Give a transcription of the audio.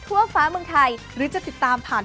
เต้นใหญ่ใส่แรง